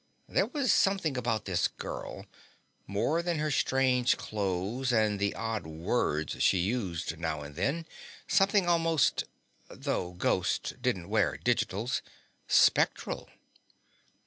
There was something about this girl, more than her strange clothes and the odd words she used now and then, something almost though ghosts don't wear digitals spectral.